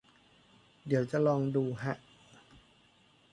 เดี๋ยวจะลองดูฮะ